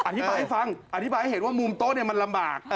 อธิบายให้ฟังอธิบายให้เห็นว่ามุมโต๊ะมันลำบาก